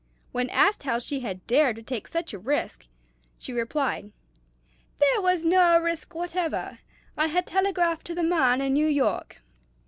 When asked how she had dared to take such a risk, she replied, 'There was no risk whatever; I had telegraphed to the man in New York.'"